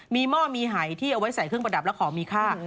มีหม้อมีหายที่เอาไว้ใส่เครื่องประดับและของมีค่า